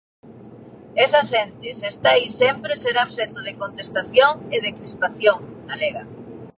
"Esa xente se está aí sempre será obxecto de contestación e de crispación", alega.